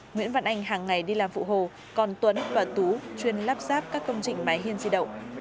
nguyễn văn anh hàng ngày đi làm phụ hồ còn tuấn và tú chuyên lắp ráp các công trình máy hiên di động